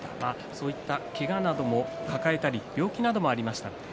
そういった、けがなども抱えたり病気などもありました。